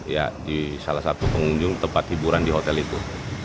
ya di salah satu pengunjung tempat hiburan di hotel itu